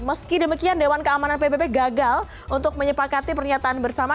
meski demikian dewan keamanan pbb gagal untuk menyepakati pernyataan bersama